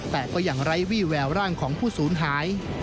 แต่ก็ยังไร้วี่แววร่างของผู้สูญหาย